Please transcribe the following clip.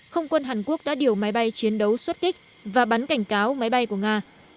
không quân hàn quốc đã điều máy bay chiến đấu xuất kích và bắn cảnh cáo máy bay của nga